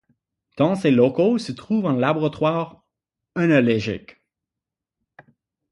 Dans ses locaux se trouve un laboratoire œnologique.